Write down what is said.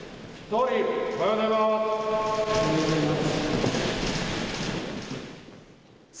おはようございます。